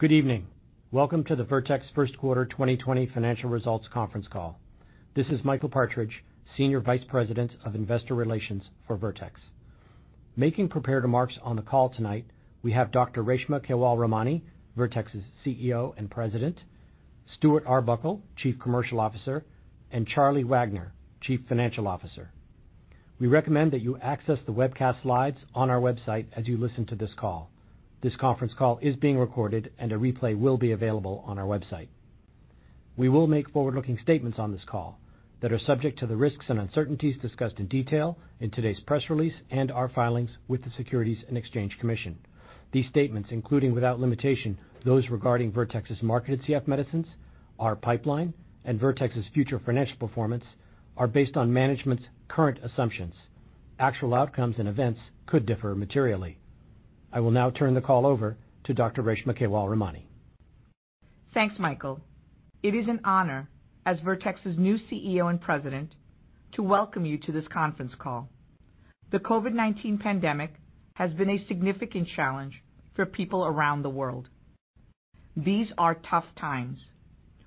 Good evening. Welcome to the Vertex First Quarter 2020 Financial Results Conference Call. This is Michael Partridge, Senior Vice President of Investor Relations for Vertex. Making prepared remarks on the call tonight, we have Dr. Reshma Kewalramani, Vertex's CEO and President, Stuart Arbuckle, Chief Commercial Officer, and Charlie Wagner, Chief Financial Officer. We recommend that you access the webcast slides on our website as you listen to this call. This conference call is being recorded, and a replay will be available on our website. We will make forward-looking statements on this call that are subject to the risks and uncertainties discussed in detail in today's press release and our filings with the Securities and Exchange Commission. These statements, including without limitation, those regarding Vertex's marketed CF medicines, our pipeline, and Vertex's future financial performance, are based on management's current assumptions. Actual outcomes and events could differ materially. I will now turn the call over to Dr. Reshma Kewalramani. Thanks, Michael. It is an honor, as Vertex's new CEO and President, to welcome you to this conference call. The COVID-19 pandemic has been a significant challenge for people around the world. These are tough times.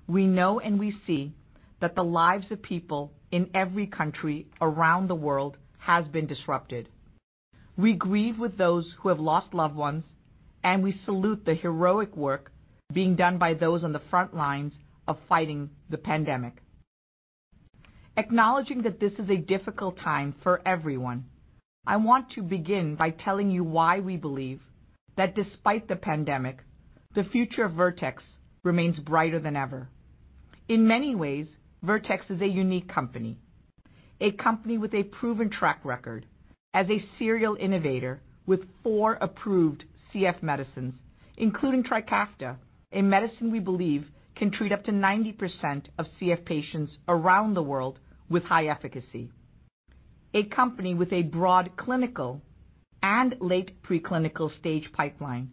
We know and we see that the lives of people in every country around the world has been disrupted. We grieve with those who have lost loved ones, and we salute the heroic work being done by those on the front lines of fighting the pandemic. Acknowledging that this is a difficult time for everyone, I want to begin by telling you why we believe that despite the pandemic, the future of Vertex remains brighter than ever. In many ways, Vertex is a unique company, a company with a proven track record as a serial innovator with four approved CF medicines, including TRIKAFTA, a medicine we believe can treat up to 90% of CF patients around the world with high efficacy. A company with a broad clinical and late preclinical stage pipeline,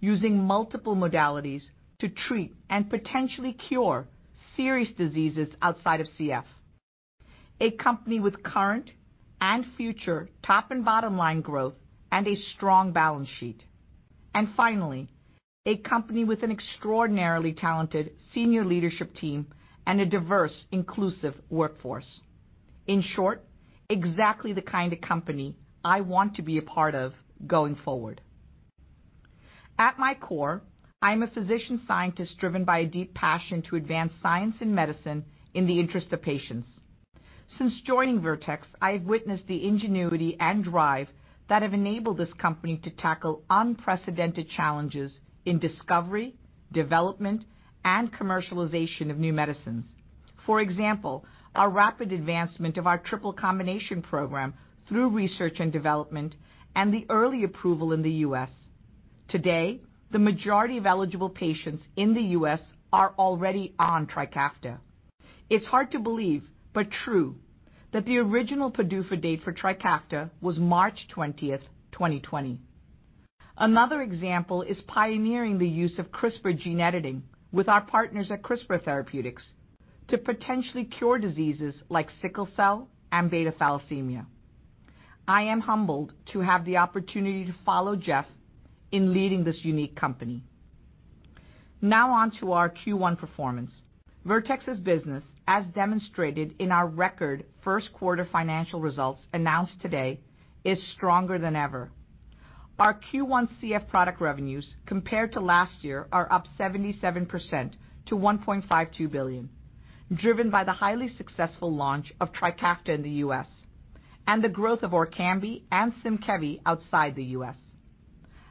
using multiple modalities to treat and potentially cure serious diseases outside of CF. A company with current and future top and bottom-line growth and a strong balance sheet. Finally, a company with an extraordinarily talented senior leadership team and a diverse, inclusive workforce. In short, exactly the kind of company I want to be a part of going forward. At my core, I'm a physician scientist driven by a deep passion to advance science and medicine in the interest of patients. Since joining Vertex, I have witnessed the ingenuity and drive that have enabled this company to tackle unprecedented challenges in discovery, development, and commercialization of new medicines. For example, our rapid advancement of our triple combination program through research and development and the early approval in the U.S. Today, the majority of eligible patients in the U.S. are already on TRIKAFTA. It's hard to believe, but true, that the original PDUFA date for TRIKAFTA was March 20th, 2020. Another example is pioneering the use of CRISPR gene editing with our partners at CRISPR Therapeutics to potentially cure diseases like sickle cell and beta thalassemia. I am humbled to have the opportunity to follow Geoff in leading this unique company. Now on to our Q1 performance. Vertex's business, as demonstrated in our record first quarter financial results announced today, is stronger than ever. Our Q1 CF product revenues, compared to last year, are up 77% to $1.52 billion, driven by the highly successful launch of TRIKAFTA in the U.S. and the growth of ORKAMBI and SYMKEVI outside the U.S.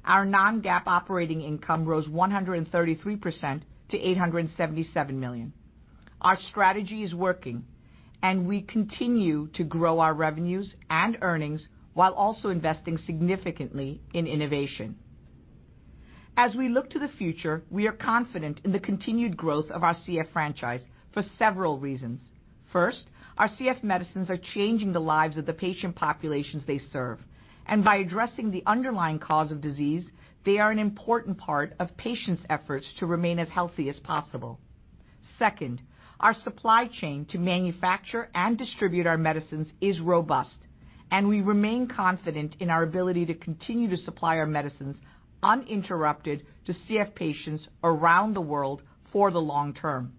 Our non-GAAP operating income rose 133% to $877 million. Our strategy is working, and we continue to grow our revenues and earnings while also investing significantly in innovation. As we look to the future, we are confident in the continued growth of our CF franchise for several reasons. First, our CF medicines are changing the lives of the patient populations they serve, and by addressing the underlying cause of disease, they are an important part of patients' efforts to remain as healthy as possible. Second, our supply chain to manufacture and distribute our medicines is robust, and we remain confident in our ability to continue to supply our medicines uninterrupted to CF patients around the world for the long term.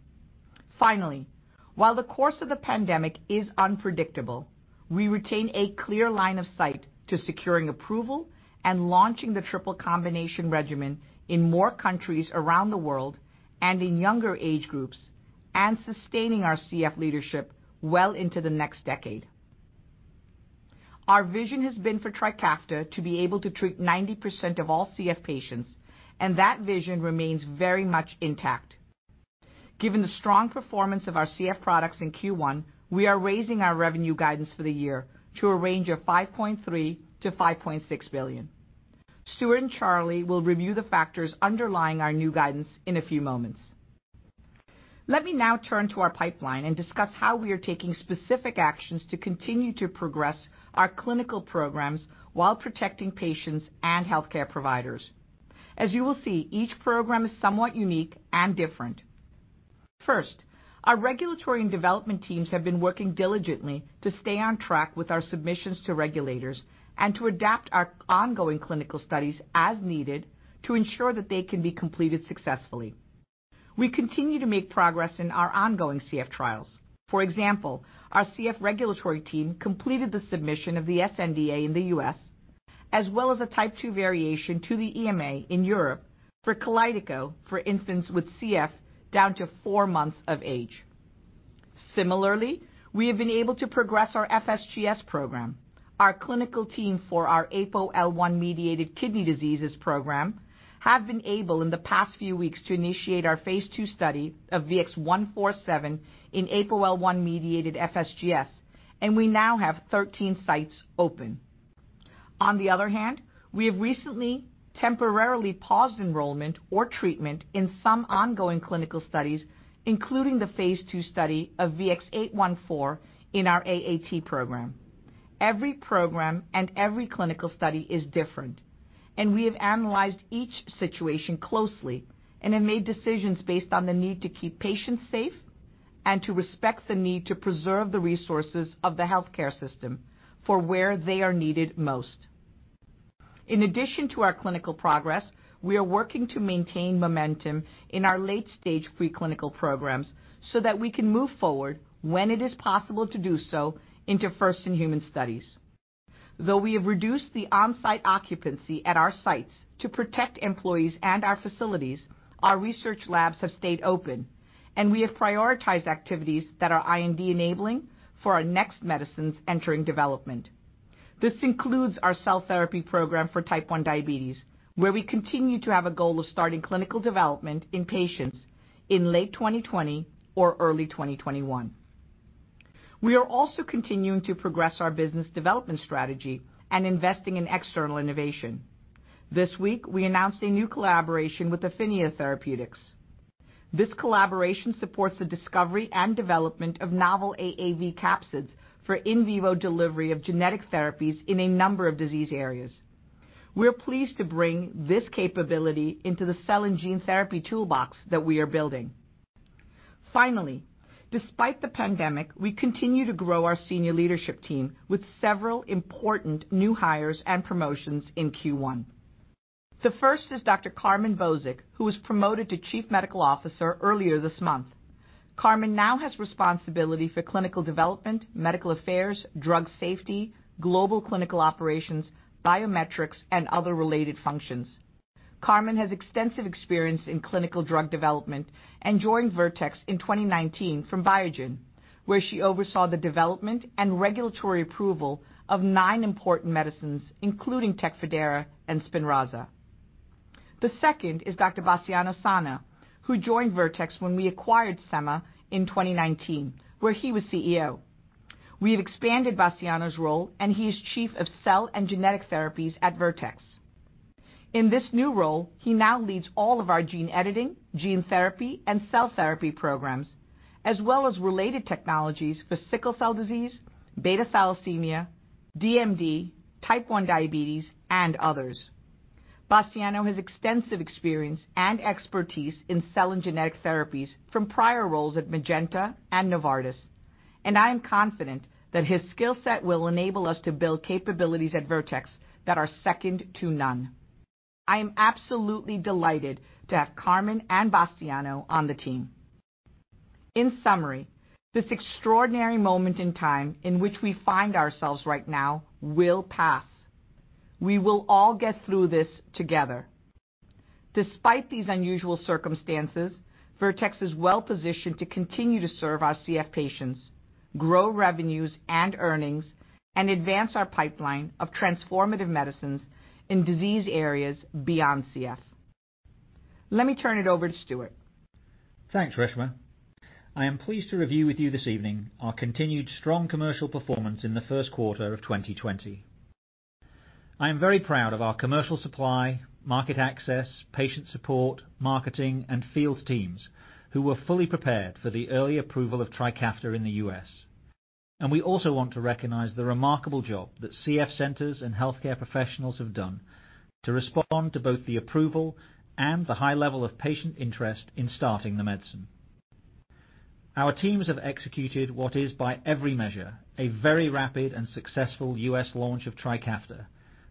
Finally, while the course of the pandemic is unpredictable, we retain a clear line of sight to securing approval and launching the triple combination regimen in more countries around the world and in younger age groups and sustaining our CF leadership well into the next decade. Our vision has been for TRIKAFTA to be able to treat 90% of all CF patients, and that vision remains very much intact. Given the strong performance of our CF products in Q1, we are raising our revenue guidance for the year to a range of $5.3 billion-$5.6 billion. Stuart and Charlie will review the factors underlying our new guidance in a few moments. Let me now turn to our pipeline and discuss how we are taking specific actions to continue to progress our clinical programs while protecting patients and healthcare providers. As you will see, each program is somewhat unique and different. First, our regulatory and development teams have been working diligently to stay on track with our submissions to regulators and to adapt our ongoing clinical studies as needed to ensure that they can be completed successfully. We continue to make progress in our ongoing CF trials. For example, our CF regulatory team completed the submission of the sNDA in the U.S., as well as a type two variation to the EMA in Europe for KALYDECO, for infants with CF down to four months of age. Similarly, we have been able to progress our FSGS program. Our clinical team for our APOL1 mediated kidney diseases program have been able, in the past few weeks, to initiate our phase II study of VX-147 in APOL1 mediated FSGS, and we now have 13 sites open. On the other hand, we have recently temporarily paused enrollment or treatment in some ongoing clinical studies, including the phase II study of VX-814 in our AAT program. Every program and every clinical study is different. We have analyzed each situation closely and have made decisions based on the need to keep patients safe and to respect the need to preserve the resources of the healthcare system for where they are needed most. In addition to our clinical progress, we are working to maintain momentum in our late-stage preclinical programs so that we can move forward when it is possible to do so into first-in-human studies. Though we have reduced the on-site occupancy at our sites to protect employees and our facilities, our research labs have stayed open, and we have prioritized activities that are IND-enabling for our next medicines entering development. This includes our cell therapy program for type one diabetes, where we continue to have a goal of starting clinical development in patients in late 2020 or early 2021. We are also continuing to progress our business development strategy and investing in external innovation. This week we announced a new collaboration with Affinia Therapeutics. This collaboration supports the discovery and development of novel AAV capsids for in vivo delivery of genetic therapies in a number of disease areas. We're pleased to bring this capability into the cell and gene therapy toolbox that we are building. Finally, despite the pandemic, we continue to grow our senior leadership team with several important new hires and promotions in Q1. The first is Dr. Carmen Bozic, who was promoted to Chief Medical Officer earlier this month. Carmen now has responsibility for clinical development, medical affairs, drug safety, global clinical operations, biometrics, and other related functions. Carmen has extensive experience in clinical drug development and joined Vertex in 2019 from Biogen, where she oversaw the development and regulatory approval of nine important medicines, including Tecfidera and Spinraza. The second is Dr. Bastiano Sanna, who joined Vertex when we acquired Semma in 2019, where he was CEO. We have expanded Bastiano's role, and he is Chief of Cell and Genetic Therapies at Vertex. In this new role, he now leads all of our gene editing, gene therapy, and cell therapy programs, as well as related technologies for sickle cell disease, beta thalassemia, DMD, type one diabetes, and others. Bastiano has extensive experience and expertise in cell and genetic therapies from prior roles at Magenta and Novartis, I am confident that his skill set will enable us to build capabilities at Vertex that are second to none. I am absolutely delighted to have Carmen and Bastiano on the team. In summary, this extraordinary moment in time in which we find ourselves right now will pass. We will all get through this together. Despite these unusual circumstances, Vertex is well positioned to continue to serve our CF patients, grow revenues and earnings, and advance our pipeline of transformative medicines in disease areas beyond CF. Let me turn it over to Stuart. Thanks, Reshma. I am pleased to review with you this evening our continued strong commercial performance in the first quarter of 2020. I am very proud of our commercial supply, market access, patient support, marketing, and field teams who were fully prepared for the early approval of TRIKAFTA in the U.S. We also want to recognize the remarkable job that CF centers and healthcare professionals have done to respond to both the approval and the high level of patient interest in starting the medicine. Our teams have executed what is, by every measure, a very rapid and successful U.S. launch of TRIKAFTA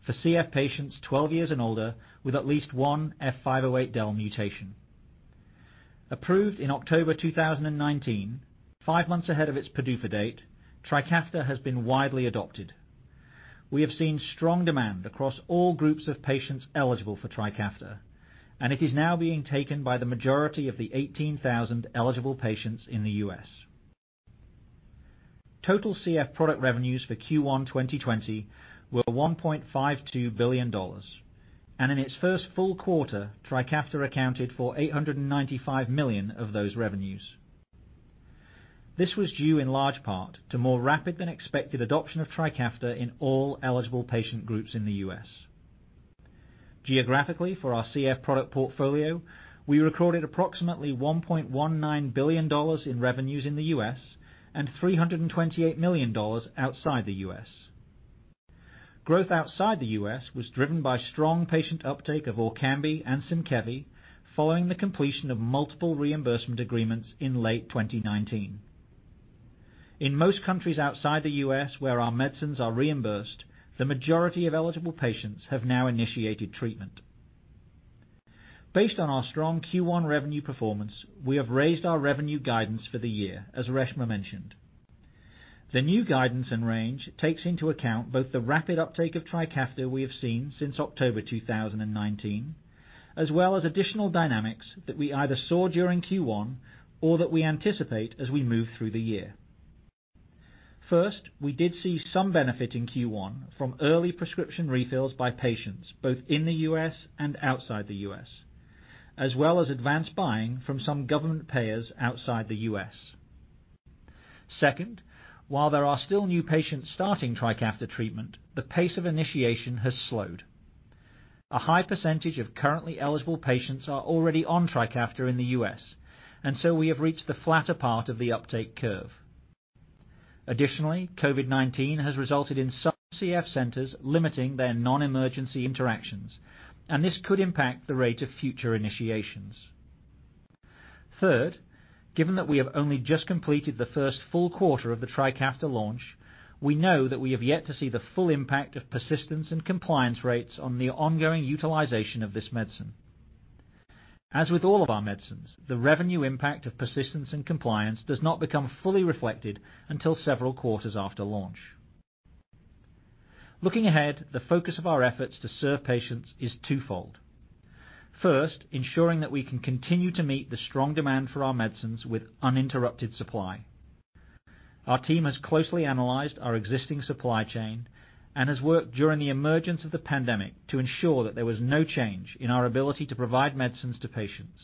for CF patients 12 years and older with at least one F508del mutation. Approved in October 2019, five months ahead of its PDUFA date, TRIKAFTA has been widely adopted. We have seen strong demand across all groups of patients eligible for TRIKAFTA, and it is now being taken by the majority of the 18,000 eligible patients in the U.S. Total CF product revenues for Q1 2020 were $1.52 billion, and in its first full quarter, TRIKAFTA accounted for $895 million of those revenues. This was due in large part to more rapid than expected adoption of TRIKAFTA in all eligible patient groups in the U.S. Geographically, for our CF product portfolio, we recorded approximately $1.19 billion in revenues in the U.S. and $328 million outside the U.S. Growth outside the U.S. was driven by strong patient uptake of ORKAMBI and SYMKEVI following the completion of multiple reimbursement agreements in late 2019. In most countries outside the U.S. where our medicines are reimbursed, the majority of eligible patients have now initiated treatment. Based on our strong Q1 revenue performance, we have raised our revenue guidance for the year, as Reshma mentioned. The new guidance and range takes into account both the rapid uptake of TRIKAFTA we have seen since October 2019, as well as additional dynamics that we either saw during Q1 or that we anticipate as we move through the year. First, we did see some benefit in Q1 from early prescription refills by patients both in the U.S. and outside the U.S., as well as advanced buying from some government payers outside the U.S. Second, while there are still new patients starting TRIKAFTA treatment, the pace of initiation has slowed. A high percentage of currently eligible patients are already on TRIKAFTA in the U.S., and so we have reached the flatter part of the uptake curve. Additionally, COVID-19 has resulted in some CF centers limiting their non-emergency interactions, and this could impact the rate of future initiations. Third, given that we have only just completed the first full quarter of the Trikafta launch, we know that we have yet to see the full impact of persistence and compliance rates on the ongoing utilization of this medicine. As with all of our medicines, the revenue impact of persistence and compliance does not become fully reflected until several quarters after launch. Looking ahead, the focus of our efforts to serve patients is twofold. First, ensuring that we can continue to meet the strong demand for our medicines with uninterrupted supply. Our team has closely analyzed our existing supply chain and has worked during the emergence of the pandemic to ensure that there was no change in our ability to provide medicines to patients.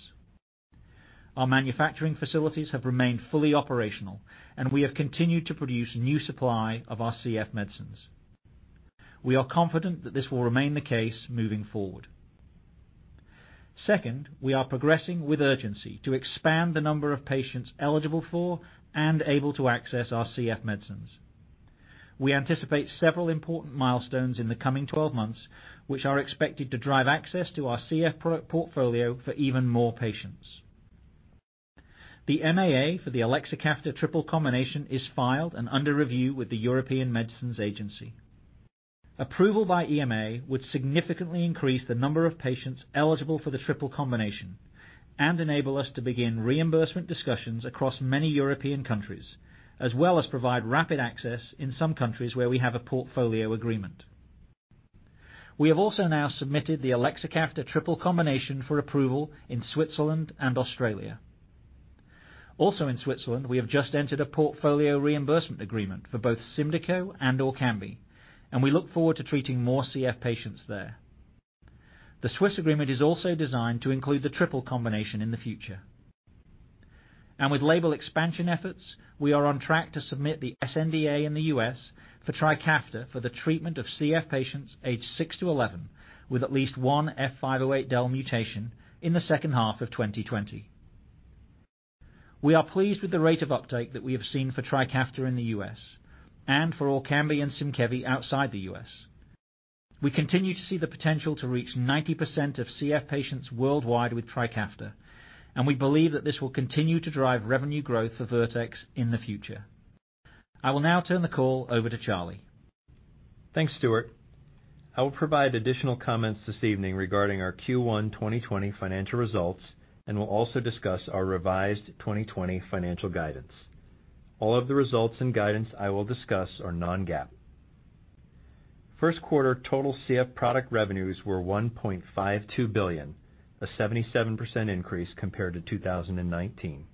Our manufacturing facilities have remained fully operational, and we have continued to produce new supply of our CF medicines. We are confident that this will remain the case moving forward. Second, we are progressing with urgency to expand the number of patients eligible for and able to access our CF medicines. We anticipate several important milestones in the coming 12 months, which are expected to drive access to our CF portfolio for even more patients. The MAA for the elexacaftor triple combination is filed and under review with the European Medicines Agency. Approval by EMA would significantly increase the number of patients eligible for the triple combination and enable us to begin reimbursement discussions across many European countries, as well as provide rapid access in some countries where we have a portfolio agreement. We have also now submitted the elexacaftor triple combination for approval in Switzerland and Australia. Also in Switzerland, we have just entered a portfolio reimbursement agreement for both SYMDEKO and ORKAMBI, and we look forward to treating more CF patients there. The Swiss agreement is also designed to include the triple combination in the future. With label expansion efforts, we are on track to submit the sNDA in the U.S. for TRIKAFTA for the treatment of CF patients aged 6-11 with at least one F508del mutation in the second half of 2020. We are pleased with the rate of uptake that we have seen for TRIKAFTA in the U.S., and for ORKAMBI and SYMKEVI outside the U.S. We continue to see the potential to reach 90% of CF patients worldwide with TRIKAFTA, and we believe that this will continue to drive revenue growth for Vertex in the future. I will now turn the call over to Charlie. Thanks, Stuart. I will provide additional comments this evening regarding our Q1 2020 financial results and will also discuss our revised 2020 financial guidance. All of the results and guidance I will discuss are non-GAAP. First quarter total CF product revenues were $1.52 billion, a 77% increase compared to 2019.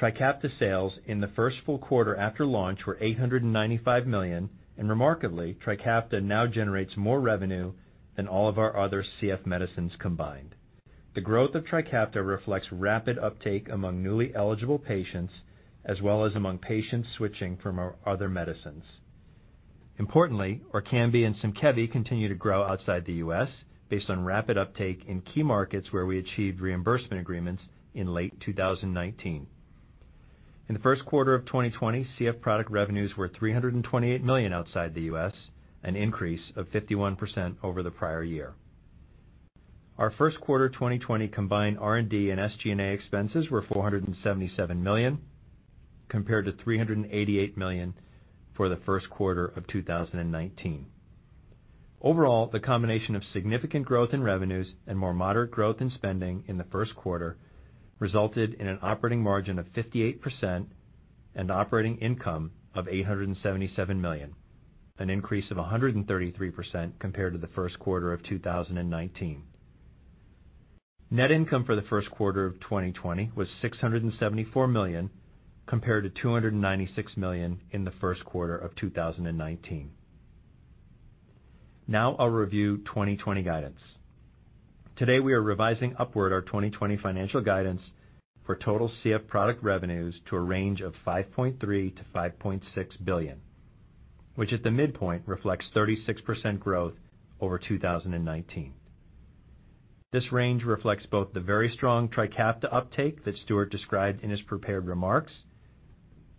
TRIKAFTA sales in the first full quarter after launch were $895 million, and remarkably, TRIKAFTA now generates more revenue than all of our other CF medicines combined. The growth of TRIKAFTA reflects rapid uptake among newly eligible patients as well as among patients switching from our other medicines. Importantly, ORKAMBI and SYMKEVI continue to grow outside the U.S. based on rapid uptake in key markets where we achieved reimbursement agreements in late 2019. In the first quarter of 2020, CF product revenues were $328 million outside the U.S., an increase of 51% over the prior year. Our first quarter 2020 combined R&D and SG&A expenses were $477 million, compared to $388 million for the first quarter of 2019. Overall, the combination of significant growth in revenues and more moderate growth in spending in the first quarter resulted in an operating margin of 58% and operating income of $877 million, an increase of 133% compared to the first quarter of 2019. Net income for the first quarter of 2020 was $674 million, compared to $296 million in the first quarter of 2019. I'll review 2020 guidance. Today, we are revising upward our 2020 financial guidance for total CF product revenues to a range of $5.3 billion-$5.6 billion, which at the midpoint reflects 36% growth over 2019. This range reflects both the very strong TRIKAFTA uptake that Stuart described in his prepared remarks,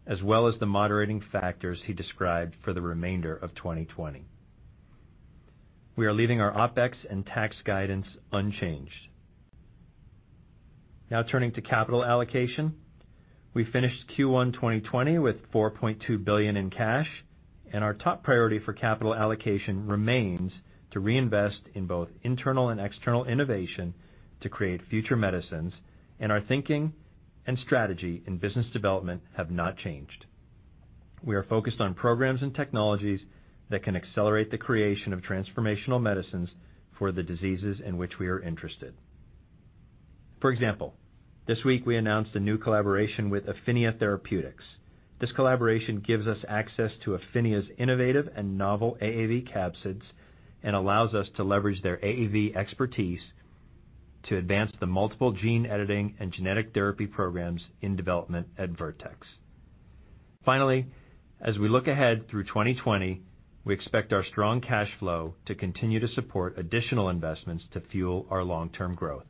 as well as the moderating factors he described for the remainder of 2020. We are leaving our OPEX and tax guidance unchanged. Turning to capital allocation. We finished Q1 2020 with $4.2 billion in cash, and our top priority for capital allocation remains to reinvest in both internal and external innovation to create future medicines, and our thinking and strategy in business development have not changed. We are focused on programs and technologies that can accelerate the creation of transformational medicines for the diseases in which we are interested. For example, this week we announced a new collaboration with Affinia Therapeutics. This collaboration gives us access to Affinia's innovative and novel AAV capsids and allows us to leverage their AAV expertise to advance the multiple gene editing and genetic therapy programs in development at Vertex. As we look ahead through 2020, we expect our strong cash flow to continue to support additional investments to fuel our long-term growth.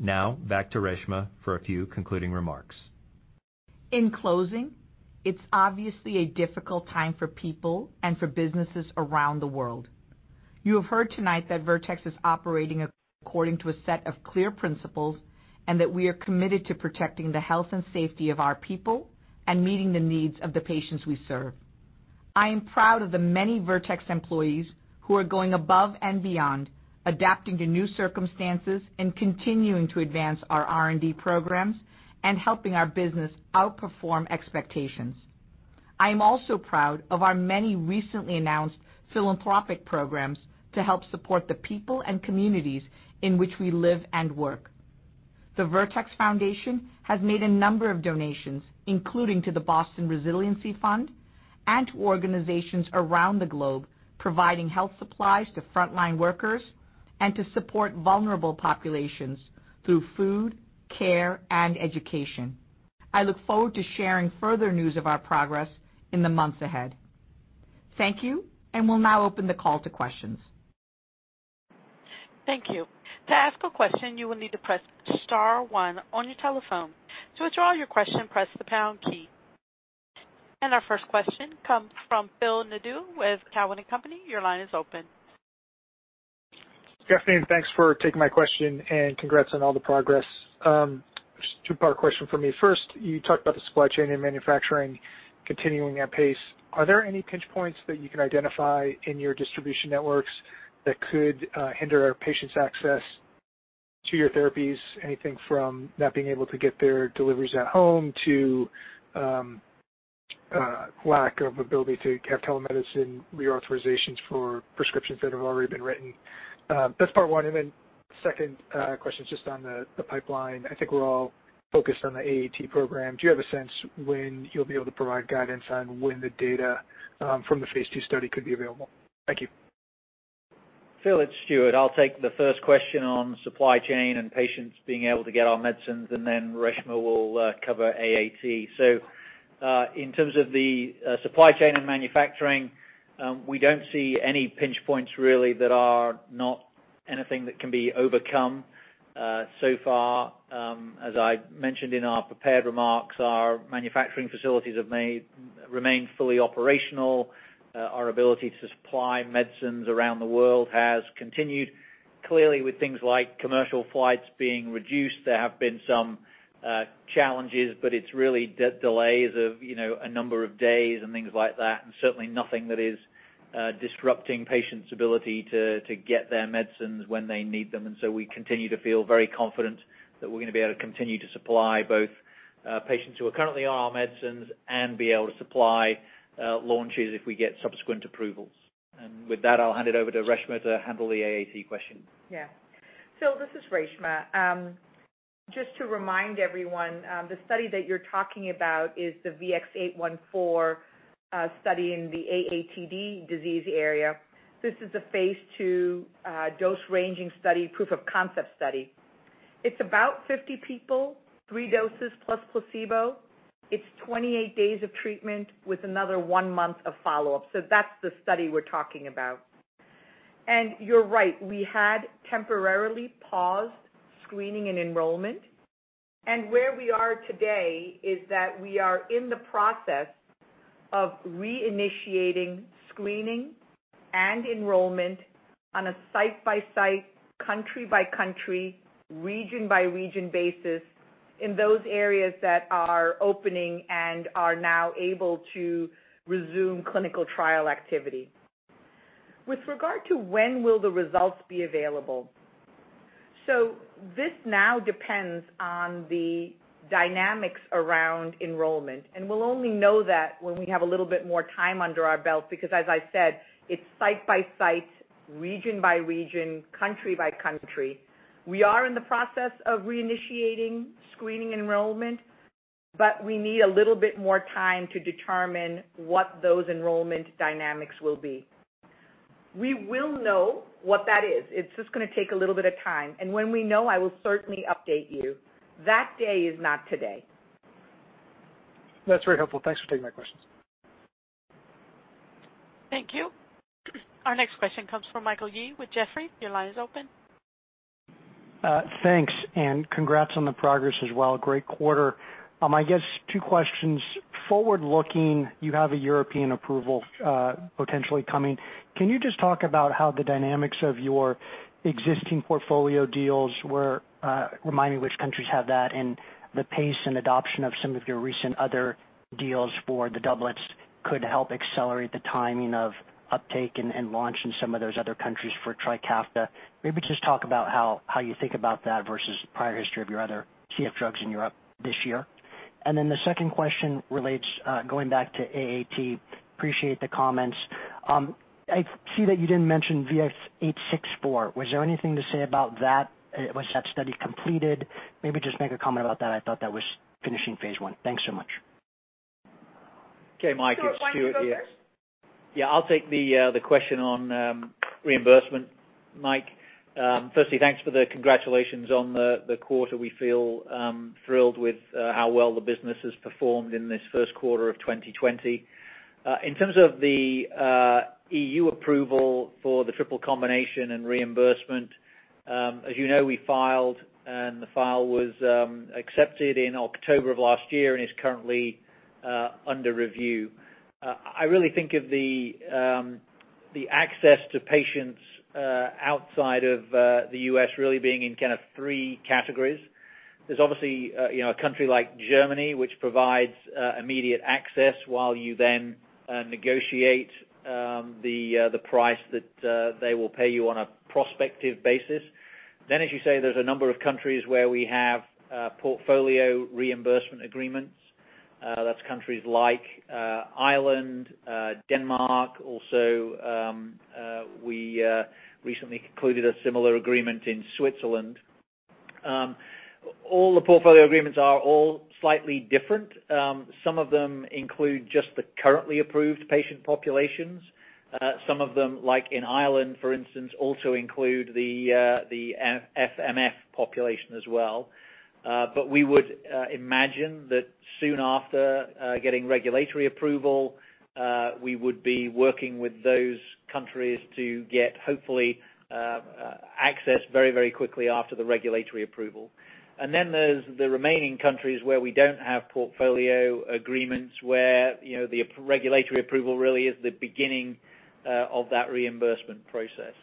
Now back to Reshma for a few concluding remarks. In closing, it's obviously a difficult time for people and for businesses around the world. You have heard tonight that Vertex is operating according to a set of clear principles, and that we are committed to protecting the health and safety of our people and meeting the needs of the patients we serve. I am proud of the many Vertex employees who are going above and beyond, adapting to new circumstances and continuing to advance our R&D programs and helping our business outperform expectations. I am also proud of our many recently announced philanthropic programs to help support the people and communities in which we live and work. The Vertex Foundation has made a number of donations, including to the Boston Resiliency Fund and to organizations around the globe, providing health supplies to frontline workers and to support vulnerable populations through food, care, and education. I look forward to sharing further news of our progress in the months ahead. Thank you. We'll now open the call to questions. Thank you. To ask a question, you will need to press star one on your telephone. To withdraw your question, press the pound key. Our first question comes from Phil Nadeau with Cowen and Company. Your line is open. Good afternoon. Thanks for taking my question, and congrats on all the progress. Just a two-part question from me. First, you talked about the supply chain and manufacturing continuing at pace. Are there any pinch points that you can identify in your distribution networks that could hinder patients' access to your therapies? Anything from not being able to get their deliveries at home to lack of ability to have telemedicine reauthorizations for prescriptions that have already been written. That's part one. Second question is just on the pipeline. I think we're all focused on the AAT program. Do you have a sense when you'll be able to provide guidance on when the data from the phase II study could be available? Thank you. Phil, it's Stuart. I'll take the first question on supply chain and patients being able to get our medicines, and then Reshma will cover AAT. In terms of the supply chain and manufacturing, we don't see any pinch points really that are not anything that can be overcome so far. As I mentioned in our prepared remarks, our manufacturing facilities remain fully operational. Our ability to supply medicines around the world has continued. Clearly, with things like commercial flights being reduced, there have been some challenges, but it's really delays of a number of days and things like that, and certainly nothing that is disrupting patients' ability to get their medicines when they need them. We continue to feel very confident that we're going to be able to continue to supply both patients who are currently on our medicines and be able to supply launches if we get subsequent approvals. With that, I'll hand it over to Reshma to handle the AAT question. Yeah. Phil, this is Reshma. Just to remind everyone, the study that you're talking about is the VX-814 study in the AATD disease area. This is a phase II dose-ranging study, proof of concept study. It's about 50 people, three doses plus placebo. It's 28 days of treatment with another one month of follow-up. That's the study we're talking about. You're right, we had temporarily paused screening and enrollment. Where we are today is that we are in the process of reinitiating screening and enrollment on a site-by-site, country-by-country, region-by-region basis in those areas that are opening and are now able to resume clinical trial activity. With regard to when will the results be available. This now depends on the dynamics around enrollment, and we'll only know that when we have a little bit more time under our belt, because as I said, it's site by site, region by region, country by country. We are in the process of reinitiating screening enrollment, but we need a little bit more time to determine what those enrollment dynamics will be. We will know what that is. It's just going to take a little bit of time, and when we know, I will certainly update you. That day is not today. That's very helpful. Thanks for taking my questions. Thank you. Our next question comes from Michael Yee with Jefferies. Your line is open. Thanks. Congrats on the progress as well. Great quarter. I guess two questions. Forward-looking, you have a European approval potentially coming. Can you just talk about how the dynamics of your existing portfolio deals were reminding which countries have that, and the pace and adoption of some of your recent other deals for the doublets could help accelerate the timing of uptake and launch in some of those other countries for TRIKAFTA? Maybe just talk about how you think about that versus the prior history of your other CF drugs in Europe this year. The second question relates, going back to AAT. Appreciate the comments. I see that you didn't mention VX-864. Was there anything to say about that? Was that study completed? Maybe just make a comment about that. I thought that was finishing phase I. Thanks so much. Okay, Mike, it's Stuart here. Stuart, why don't you go first? Yeah, I'll take the question on reimbursement, Mike. Firstly, thanks for the congratulations on the quarter. We feel thrilled with how well the business has performed in this first quarter of 2020. In terms of the EU approval for the triple combination and reimbursement, as you know, we filed and the file was accepted in October of last year and is currently under review. I really think of the access to patients outside of the U.S. really being in three categories. There's obviously a country like Germany, which provides immediate access while you then negotiate the price that they will pay you on a prospective basis. As you say, there's a number of countries where we have portfolio reimbursement agreements. That's countries like Ireland, Denmark, also, we recently concluded a similar agreement in Switzerland. All the portfolio agreements are all slightly different. Some of them include just the currently approved patient populations. Some of them, like in Ireland, for instance, also include the FMF population as well. We would imagine that soon after getting regulatory approval, we would be working with those countries to get, hopefully, access very quickly after the regulatory approval. There's the remaining countries where we don't have portfolio agreements where the regulatory approval really is the beginning of that reimbursement process.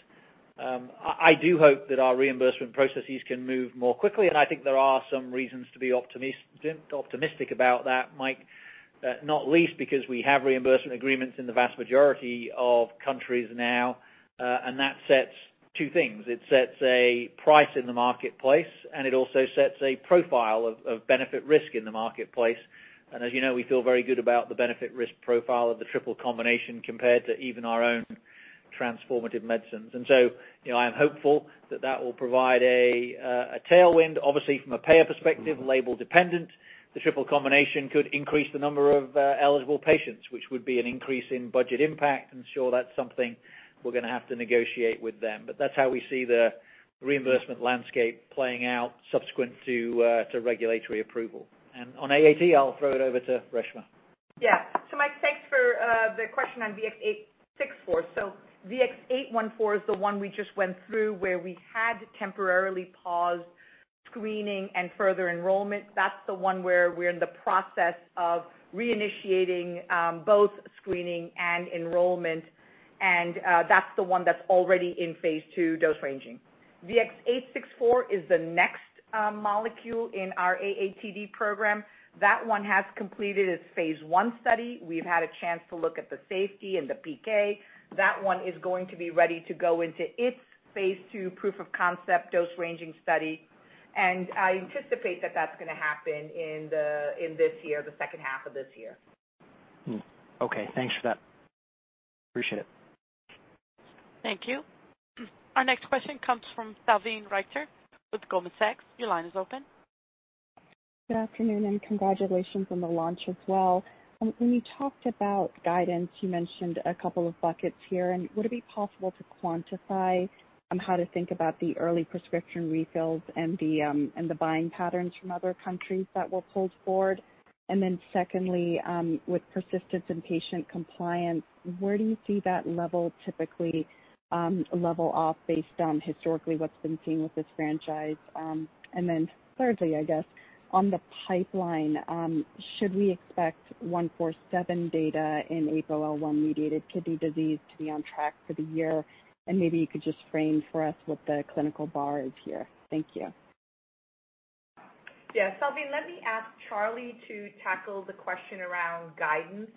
I do hope that our reimbursement processes can move more quickly, and I think there are some reasons to be optimistic about that, Mike, not least because we have reimbursement agreements in the vast majority of countries now, and that sets two things. It sets a price in the marketplace, and it also sets a profile of benefit risk in the marketplace. As you know, we feel very good about the benefit risk profile of the triple combination compared to even our own transformative medicines. I am hopeful that that will provide a tailwind. Obviously, from a payer perspective, label-dependent. The triple combination could increase the number of eligible patients, which would be an increase in budget impact. Sure, that's something we're going to have to negotiate with them. That's how we see the reimbursement landscape playing out subsequent to regulatory approval. On AAT, I'll throw it over to Reshma. Mike, thanks for the question on VX-864. VX-814 is the one we just went through where we had temporarily paused screening and further enrollment. That's the one where we're in the process of reinitiating both screening and enrollment, and that's the one that's already in phase II dose ranging. VX-864 is the next molecule in our AATD program. That one has completed its phase I study. We've had a chance to look at the safety and the PK. That one is going to be ready to go into its phase II proof of concept dose ranging study, and I anticipate that that's going to happen in this year, the second half of this year. Okay. Thanks for that. Appreciate it. Thank you. Our next question comes from Salveen Richter with Goldman Sachs. Your line is open. Good afternoon. Congratulations on the launch as well. When you talked about guidance, you mentioned a couple of buckets here, and would it be possible to quantify how to think about the early prescription refills and the buying patterns from other countries that will pull forward? Secondly, with persistence and patient compliance, where do you see that level typically level off based on historically what's been seen with this franchise? Thirdly, I guess on the pipeline, should we expect 147 data in APOL1-mediated kidney disease to be on track for the year? Maybe you could just frame for us what the clinical bar is here. Thank you. Yeah. Salveen, let me ask Charlie to tackle the question around guidance,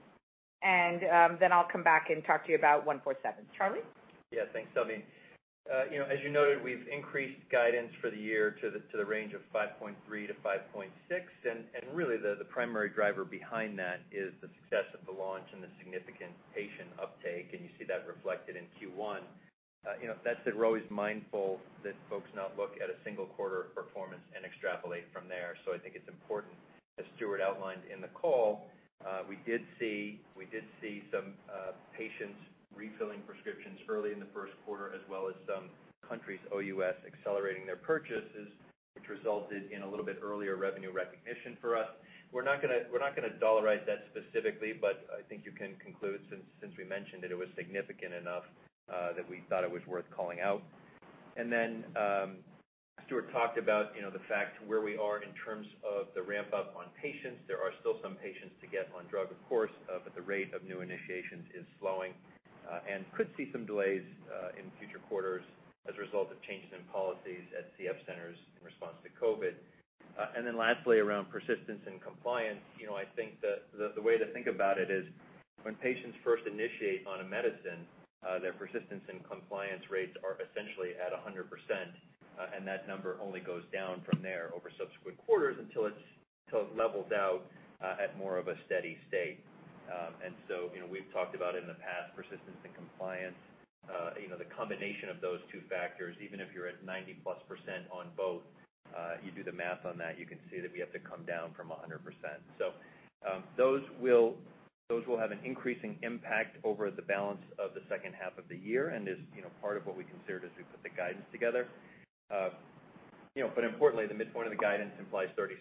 and then I'll come back and talk to you about 147. Charlie? Thanks, Salveen. As you noted, we've increased guidance for the year to the range of $5.3-$5.6, and really the primary driver behind that is the success of the launch and the significant patient uptake, and you see that reflected in Q1. That said, we're always mindful that folks not look at a single quarter of performance and extrapolate from there. I think it's important, as Stuart outlined in the call, we did see some patients refilling prescriptions early in the first quarter as well as some countries' OUS accelerating their purchases. Resulted in a little bit earlier revenue recognition for us. We're not going to dollarize that specifically. I think you can conclude since we mentioned it was significant enough that we thought it was worth calling out. Stuart talked about the fact where we are in terms of the ramp-up on patients. There are still some patients to get on drug, of course. The rate of new initiations is slowing and could see some delays in future quarters as a result of changes in policies at CF centers in response to COVID. Lastly, around persistence and compliance, I think the way to think about it is when patients first initiate on a medicine, their persistence and compliance rates are essentially at 100%, and that number only goes down from there over subsequent quarters until it levels out at more of a steady state. We've talked about in the past, persistence and compliance, the combination of those two factors, even if you're at +90% on both, you do the math on that, you can see that we have to come down from 100%. Those will have an increasing impact over the balance of the second half of the year and is part of what we considered as we put the guidance together. Importantly, the midpoint of the guidance implies 36%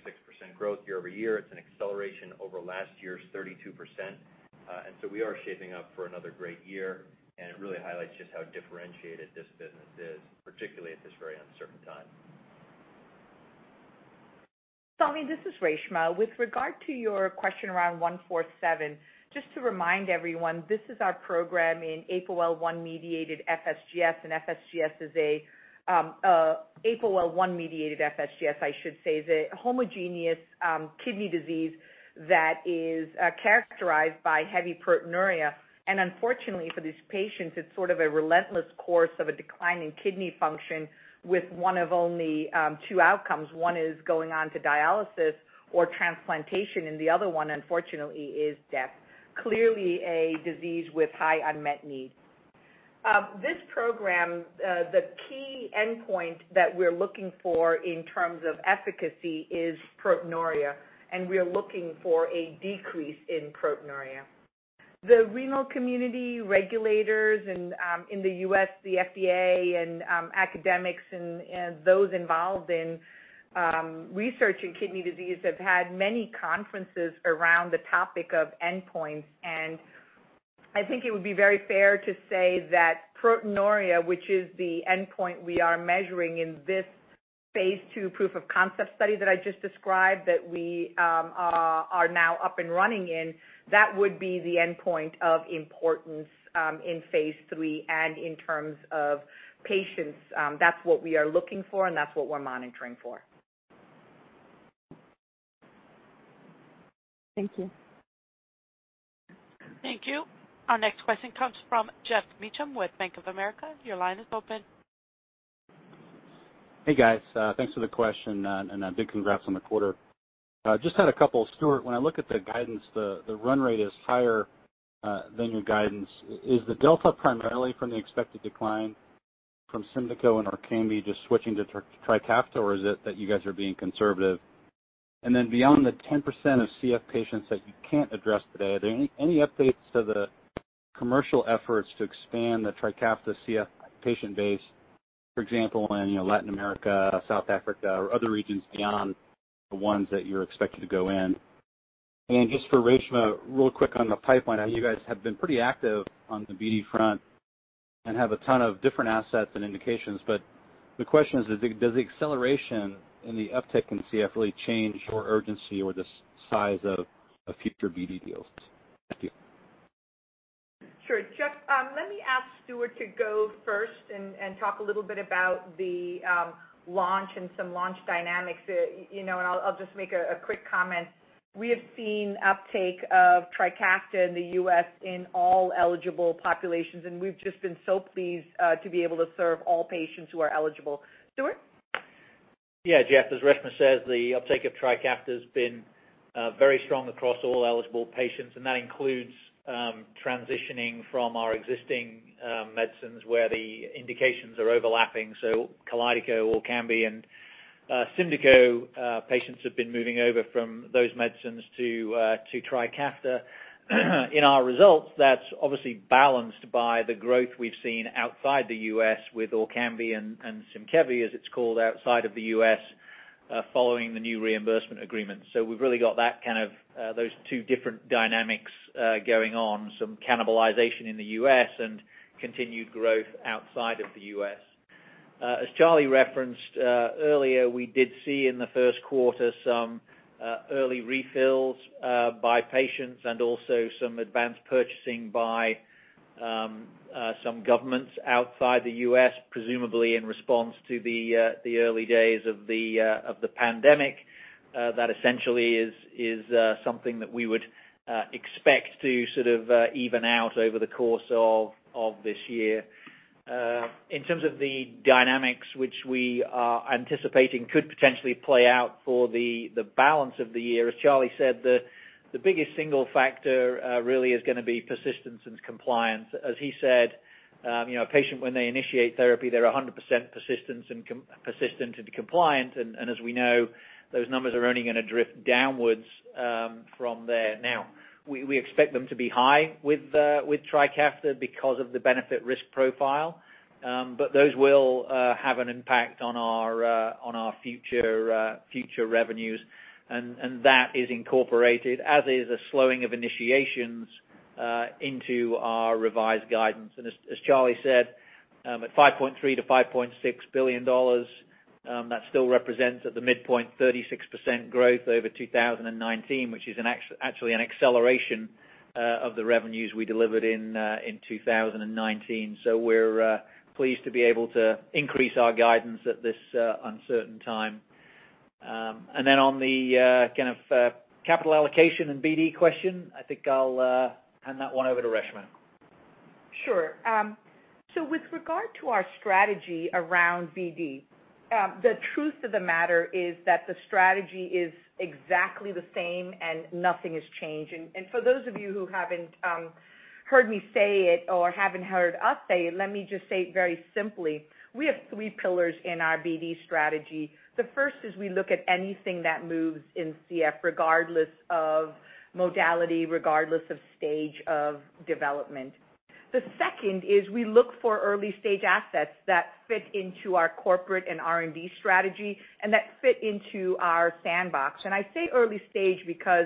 growth year-over-year. It's an acceleration over last year's 32%. We are shaping up for another great year, and it really highlights just how differentiated this business is, particularly at this very uncertain time. Salveen, this is Reshma. With regard to your question around VX-147, just to remind everyone, this is our program in APOL1-mediated FSGS. FSGS is a homogeneous kidney disease that is characterized by heavy proteinuria. Unfortunately for these patients, it's sort of a relentless course of a decline in kidney function with one of only two outcomes. One is going on to dialysis or transplantation, the other one, unfortunately, is death. Clearly a disease with high unmet need. This program, the key endpoint that we're looking for in terms of efficacy is proteinuria. We're looking for a decrease in proteinuria. The renal community regulators in the U.S., the FDA, academics, and those involved in research in kidney disease have had many conferences around the topic of endpoints. I think it would be very fair to say that proteinuria, which is the endpoint we are measuring in this phase II proof of concept study that I just described, that we are now up and running in, that would be the endpoint of importance in phase III and in terms of patients. That's what we are looking for and that's what we're monitoring for. Thank you. Thank you. Our next question comes from Geoff Meacham with Bank of America. Your line is open. Hey, guys. Thanks for the question and a big congrats on the quarter. Just had a couple. Stuart, when I look at the guidance, the run rate is higher than your guidance. Is the delta primarily from the expected decline from SYMDEKO and ORKAMBI just switching to TRIKAFTA, or is it that you guys are being conservative? Beyond the 10% of CF patients that you can't address today, are there any updates to the commercial efforts to expand the TRIKAFTA CF patient base? For example, in Latin America, South Africa, or other regions beyond the ones that you're expected to go in. Just for Reshma, real quick on the pipeline. You guys have been pretty active on the BD front and have a ton of different assets and indications. The question is, does the acceleration in the uptick in CF really change your urgency or the size of future BD deals? Thank you. Sure. Jeff, let me ask Stuart to go first and talk a little bit about the launch and some launch dynamics. I'll just make a quick comment. We have seen uptake of TRIKAFTA in the U.S. in all eligible populations, and we've just been so pleased to be able to serve all patients who are eligible. Stuart? Yeah, Jeff, as Reshma says, the uptake of TRIKAFTA has been very strong across all eligible patients, and that includes transitioning from our existing medicines where the indications are overlapping. KALYDECO, ORKAMBI, and SYMDEKO patients have been moving over from those medicines to TRIKAFTA. In our results, that's obviously balanced by the growth we've seen outside the U.S. with ORKAMBI and SYMKEVI, as it's called outside of the U.S., following the new reimbursement agreement. We've really got those two different dynamics going on, some cannibalization in the U.S. and continued growth outside of the U.S. As Charlie referenced earlier, we did see in the first quarter some early refills by patients and also some advanced purchasing by some governments outside the U.S., presumably in response to the early days of the pandemic. That essentially is something that we would expect to sort of even out over the course of this year. In terms of the dynamics which we are anticipating could potentially play out for the balance of the year, as Charlie said, the biggest single factor really is going to be persistence and compliance. As he said, a patient when they initiate therapy, they're 100% persistent and compliant, and as we know, those numbers are only going to drift downwards from there. We expect them to be high with TRIKAFTA because of the benefit-risk profile. Those will have an impact on our future revenues, and that is incorporated, as is a slowing of initiations into our revised guidance. As Charlie said, at $5.3 billion-$5.6 billion, that still represents at the midpoint 36% growth over 2019, which is actually an acceleration of the revenues we delivered in 2019. We're pleased to be able to increase our guidance at this uncertain time. On the kind of capital allocation and BD question, I think I'll hand that one over to Reshma. Sure. With regard to our strategy around BD, the truth of the matter is that the strategy is exactly the same and nothing has changed. For those of you who haven't heard me say it or haven't heard us say it, let me just say it very simply. We have three pillars in our BD strategy. The first is we look at anything that moves in CF, regardless of modality, regardless of stage of development. The second is we look for early-stage assets that fit into our corporate and R&D strategy and that fit into our sandbox. I say early stage because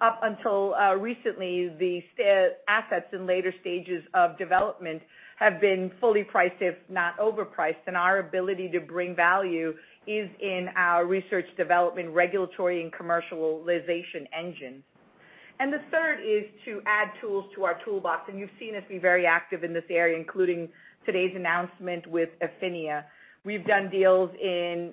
up until recently, the assets in later stages of development have been fully priced, if not overpriced, and our ability to bring value is in our research development, regulatory, and commercialization engine. The third is to add tools to our toolbox, and you've seen us be very active in this area, including today's announcement with Affinia. We've done deals in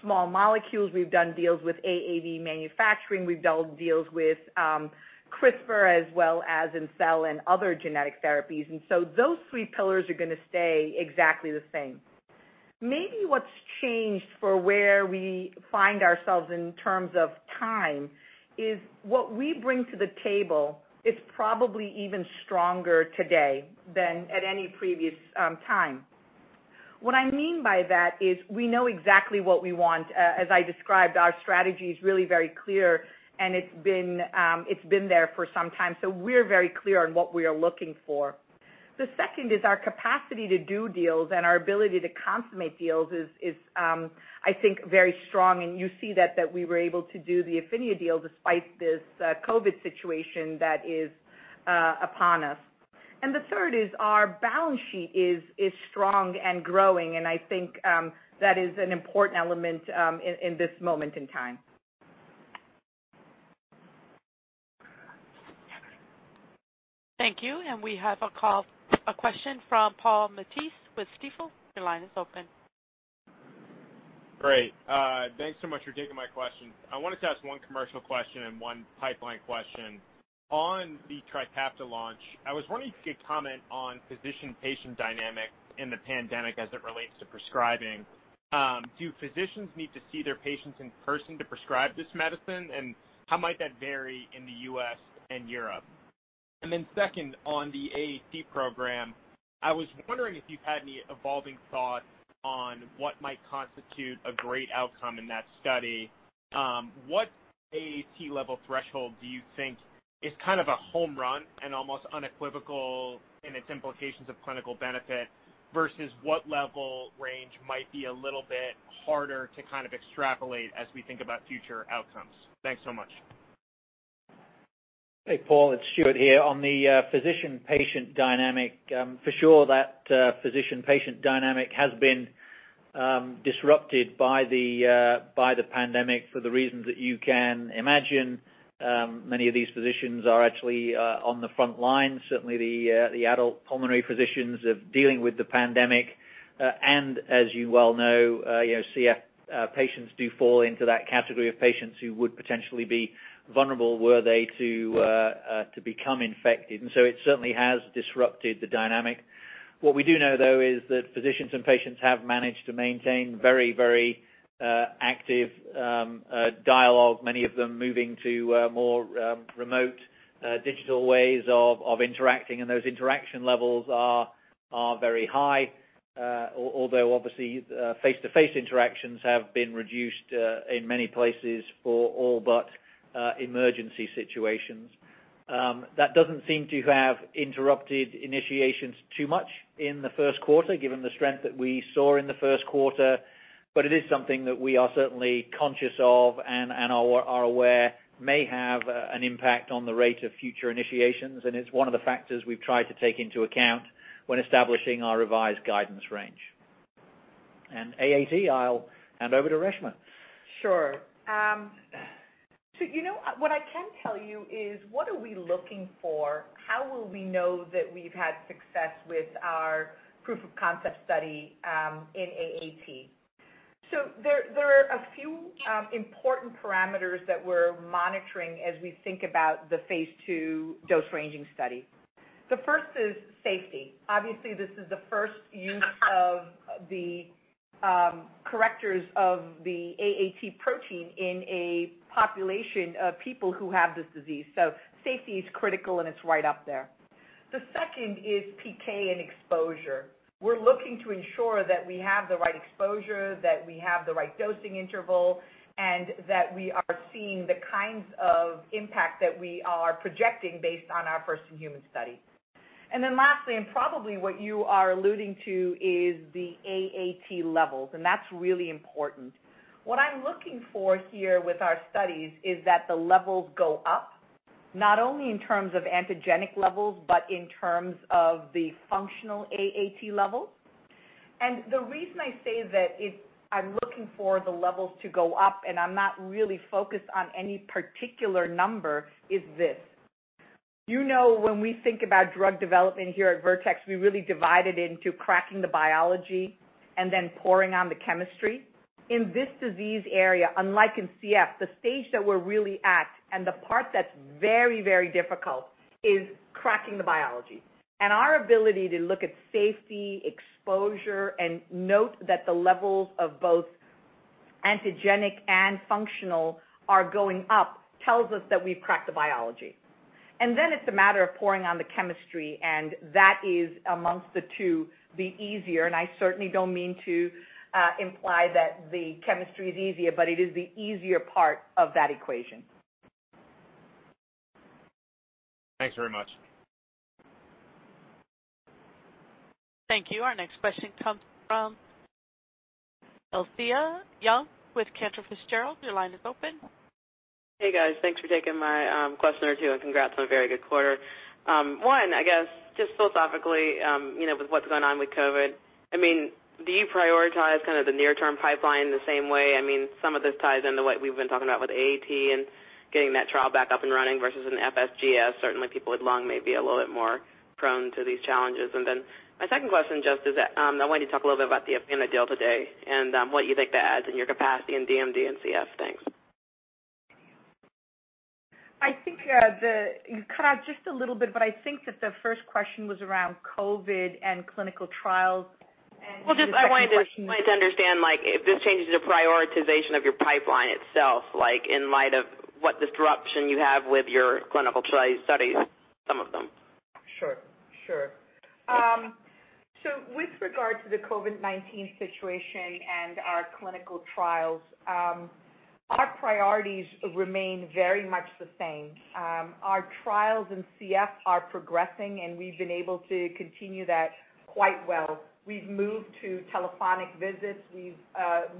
small molecules. We've done deals with AAV manufacturing. We've done deals with CRISPR as well as in cell and other genetic therapies. Those three pillars are going to stay exactly the same. Maybe what's changed for where we find ourselves in terms of time is what we bring to the table is probably even stronger today than at any previous time. What I mean by that is we know exactly what we want. As I described, our strategy is really very clear, and it's been there for some time. We're very clear on what we are looking for. The second is our capacity to do deals and our ability to consummate deals is, I think, very strong. You see that we were able to do the Affinia deal despite this COVID situation that is upon us. The third is our balance sheet is strong and growing, and I think that is an important element in this moment in time. Thank you. We have a question from Paul Matteis with Stifel. Your line is open. Great. Thanks so much for taking my question. I wanted to ask one commercial question and one pipeline question. On the TRIKAFTA launch, I was wondering if you could comment on physician-patient dynamic in the pandemic as it relates to prescribing. Do physicians need to see their patients in person to prescribe this medicine, and how might that vary in the U.S. and Europe? Second, on the AAT program, I was wondering if you've had any evolving thoughts on what might constitute a great outcome in that study. What AAT level threshold do you think is kind of a home run and almost unequivocal in its implications of clinical benefit, versus what level range might be a little bit harder to kind of extrapolate as we think about future outcomes? Thanks so much. Hey, Paul, it's Stuart here. On the physician-patient dynamic, for sure that physician-patient dynamic has been disrupted by the pandemic for the reasons that you can imagine. Many of these physicians are actually on the front lines. Certainly the adult pulmonary physicians are dealing with the pandemic. As you well know, CF patients do fall into that category of patients who would potentially be vulnerable were they to become infected. So it certainly has disrupted the dynamic. What we do know, though, is that physicians and patients have managed to maintain very active dialogue, many of them moving to more remote digital ways of interacting, and those interaction levels are very high. Although obviously, face-to-face interactions have been reduced in many places for all but emergency situations. That doesn't seem to have interrupted initiations too much in the first quarter, given the strength that we saw in the first quarter. It is something that we are certainly conscious of and are aware may have an impact on the rate of future initiations, and it's one of the factors we've tried to take into account when establishing our revised guidance range. AAT, I'll hand over to Reshma. Sure. What I can tell you is what are we looking for? How will we know that we've had success with our proof of concept study in AAT? There are a few important parameters that we're monitoring as we think about the phase II dose ranging study. The first is safety. Obviously, this is the first use of the correctors of the AAT protein in a population of people who have this disease. Safety is critical, and it's right up there. The second is PK and exposure. We're looking to ensure that we have the right exposure, that we have the right dosing interval, and that we are seeing the kinds of impact that we are projecting based on our first human study. Lastly, and probably what you are alluding to, is the AAT levels, and that's really important. What I'm looking for here with our studies is that the levels go up, not only in terms of antigenic levels, but in terms of the functional AAT levels. The reason I say that is I'm looking for the levels to go up, and I'm not really focused on any particular number is this. You know when we think about drug development here at Vertex, we really divide it into cracking the biology and then pouring on the chemistry. In this disease area, unlike in CF, the stage that we're really at and the part that's very difficult is cracking the biology. Our ability to look at safety, exposure, and note that the levels of both antigenic and functional are going up tells us that we've cracked the biology. Then it's a matter of pouring on the chemistry, and that is, amongst the two, the easier. I certainly don't mean to imply that the chemistry is easier, but it is the easier part of that equation. Thanks very much. Thank you. Our next question comes from Alethia Young with Cantor Fitzgerald. Your line is open. Hey, guys. Thanks for taking my question or two, and congrats on a very good quarter. One, I guess just philosophically, with what's going on with COVID-19, do you prioritize the near-term pipeline the same way? Some of this ties into what we've been talking about with AAT and getting that trial back up and running versus an FSGS. Certainly, people with lung may be a little bit more prone to these challenges. My second question just is, I want you to talk a little bit about the Affinia deal today and what you think that adds in your capacity in DMD and CF. Thanks. I think you cut out just a little bit. I think that the first question was around COVID and clinical trials. Well, just I wanted to understand if this changes the prioritization of your pipeline itself, in light of what disruption you have with your clinical studies, some of them. Sure. With regard to the COVID-19 situation and our clinical trials, our priorities remain very much the same. Our trials in CF are progressing, and we've been able to continue that quite well. We've moved to telephonic visits. We've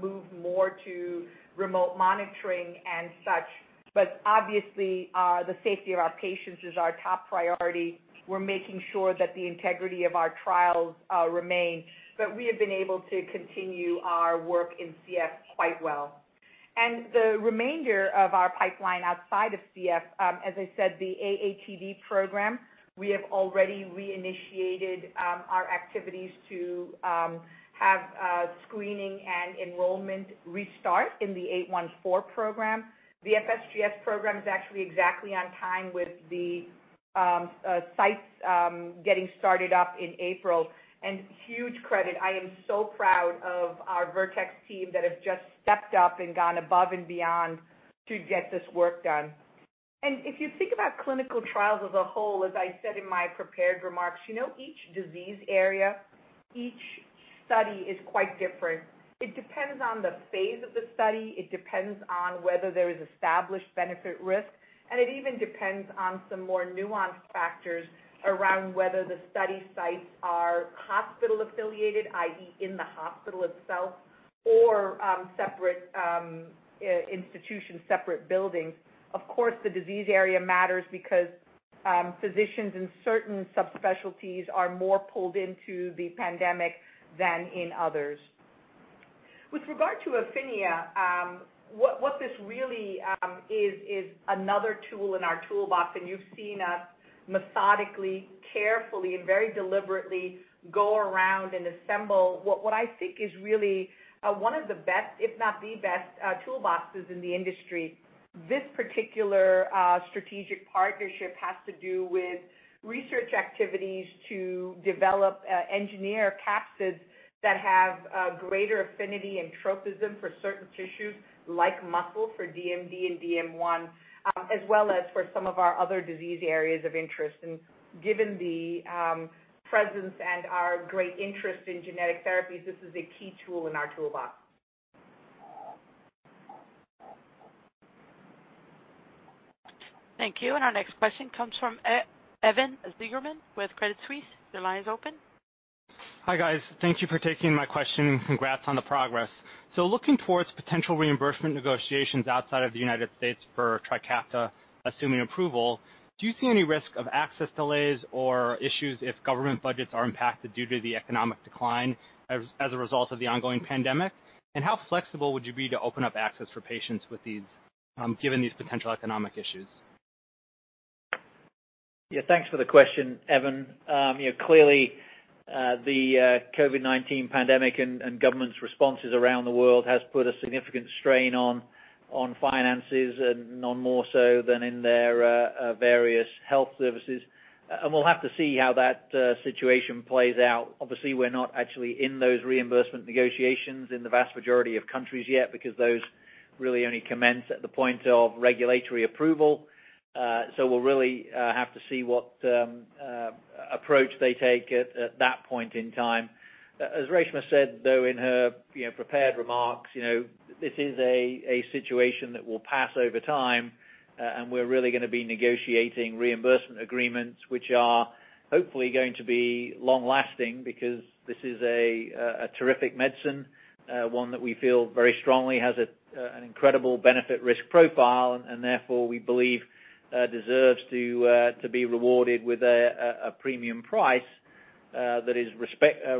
moved more to remote monitoring and such. Obviously, the safety of our patients is our top priority. We're making sure that the integrity of our trials remains, but we have been able to continue our work in CF quite well. The remainder of our pipeline outside of CF, as I said, the AATD program, we have already reinitiated our activities to have screening and enrollment restart in the 814 program. The FSGS program is actually exactly on time with the sites getting started up in April. Huge credit, I am so proud of our Vertex team that have just stepped up and gone above and beyond to get this work done. If you think about clinical trials as a whole, as I said in my prepared remarks, each disease area, each study is quite different. It depends on the phase of the study. It depends on whether there is established benefit risk, and it even depends on some more nuanced factors around whether the study sites are hospital-affiliated, i.e., in the hospital itself or separate institutions, separate buildings. Of course, the disease area matters because physicians in certain subspecialties are more pulled into the pandemic than in others. With regard to Affinia, what this really is another tool in our toolbox. You've seen us methodically, carefully, and very deliberately go around and assemble what I think is really one of the best, if not the best, toolboxes in the industry. This particular strategic partnership has to do with research activities to develop engineer capsids that have greater affinity and tropism for certain tissues like muscle for DMD and DM1, as well as for some of our other disease areas of interest. Given the presence and our great interest in genetic therapies, this is a key tool in our toolbox. Thank you. Our next question comes from Evan Seigerman with Credit Suisse. Your line is open. Hi, guys. Thank you for taking my question, and congrats on the progress. Looking towards potential reimbursement negotiations outside of the United States for TRIKAFTA assuming approval, do you see any risk of access delays or issues if government budgets are impacted due to the economic decline as a result of the ongoing pandemic? How flexible would you be to open up access for patients given these potential economic issues? Yeah. Thanks for the question, Evan. Clearly, the COVID-19 pandemic and government's responses around the world has put a significant strain on finances and none more so than in their various health services. We'll have to see how that situation plays out. Obviously, we're not actually in those reimbursement negotiations in the vast majority of countries yet because those really only commence at the point of regulatory approval. We'll really have to see what approach they take at that point in time. As Reshma said, though, in her prepared remarks, this is a situation that will pass over time. We're really going to be negotiating reimbursement agreements, which are hopefully going to be long-lasting because this is a terrific medicine, one that we feel very strongly has an incredible benefit-risk profile, and therefore we believe deserves to be rewarded with a premium price that is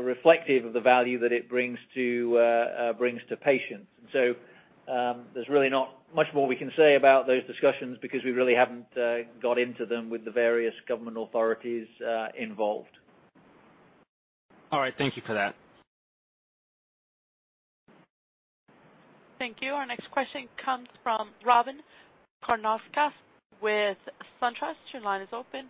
reflective of the value that it brings to patients. There's really not much more we can say about those discussions because we really haven't got into them with the various government authorities involved. All right. Thank you for that. Thank you. Our next question comes from Robyn Karnauskas with SunTrust. Your line is open.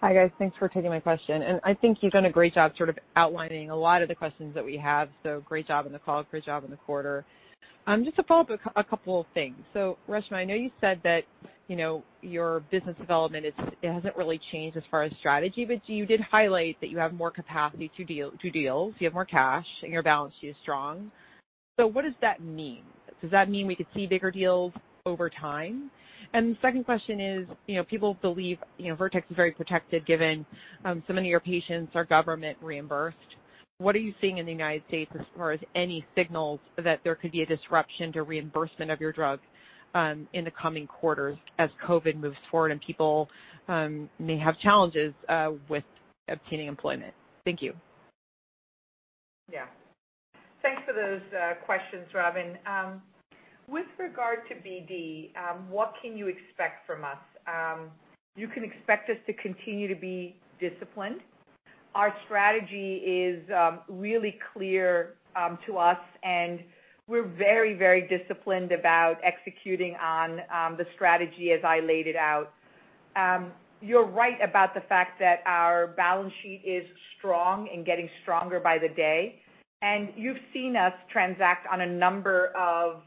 Hi, guys. Thanks for taking my question. I think you've done a great job sort of outlining a lot of the questions that we have. Great job on the call, great job on the quarter. Just to follow up a couple of things. Reshma, I know you said that your business development hasn't really changed as far as strategy, but you did highlight that you have more capacity to deals. You have more cash, and your balance sheet is strong. What does that mean? Does that mean we could see bigger deals over time? The second question is, people believe Vertex is very protected given so many of your patients are government reimbursed. What are you seeing in the U.S. as far as any signals that there could be a disruption to reimbursement of your drug in the coming quarters as COVID-19 moves forward and people may have challenges with obtaining employment? Thank you. Yeah. Thanks for those questions, Robyn. With regard to BD, what can you expect from us? You can expect us to continue to be disciplined. Our strategy is really clear to us, and we're very disciplined about executing on the strategy as I laid it out. You're right about the fact that our balance sheet is strong and getting stronger by the day. You've seen us transact on a number of